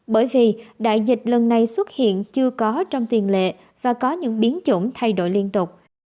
bởi vì đại dịch lần này xuất hiện chưa có trong tiền lệ và có những biến chủng thay đổi liên tục